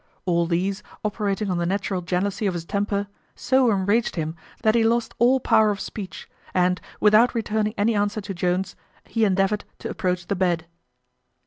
All these, operating on the natural jealousy of his temper, so enraged him, that he lost all power of speech; and, without returning any answer to Jones, he endeavoured to approach the bed.